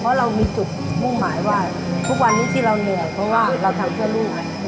เพราะเรามีจุดมุ่งหมายว่าทุกวันนี้ที่เราเหนื่อยเพราะว่าเราทำเพื่อลูก